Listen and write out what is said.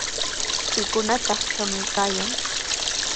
¿Pikunataq shamuykaayan?